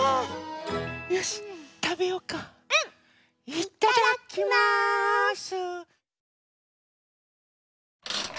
いただきます！